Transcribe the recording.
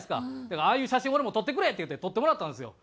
だから「ああいう写真俺も撮ってくれ」って言って撮ってもらったんですよ。